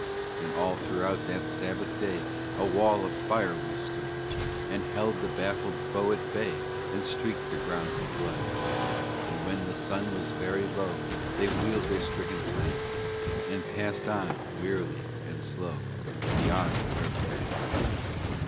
And all throughout that Sabbath day A wall of fire we stood, And held the baffled foe at bay, And streaked the ground with blood. And when the sun was very low They wheeled their stricken flanks, And passed on, wearily and slow, Beyond the river banks.